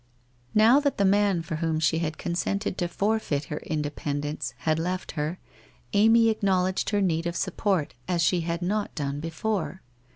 Now that the man for whom she had consented to for feit her independence, had left her, Amy acknowledged her need of support, as she had not done before.